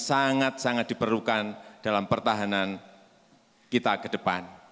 sangat sangat diperlukan dalam pertahanan kita ke depan